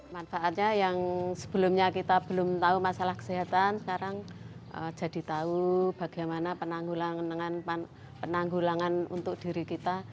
manfaatnya yang sebelumnya kita belum tahu masalah kesehatan sekarang jadi tahu bagaimana penanggulangan untuk diri kita